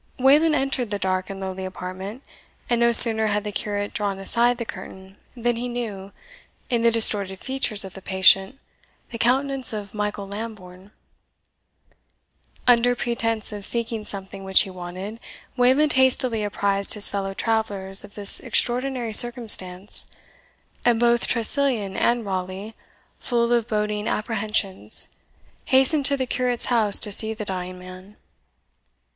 Wayland entered the dark and lowly apartment, and no sooner had the curate drawn aside the curtain than he knew, in the distorted features of the patient, the countenance of Michael Lambourne. Under pretence of seeking something which he wanted, Wayland hastily apprised his fellow travellers of this extraordinary circumstance; and both Tressilian and Raleigh, full of boding apprehensions, hastened to the curate's house to see the dying man.